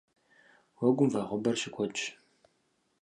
Уэгум вагъуэбэр щыкуэдщ.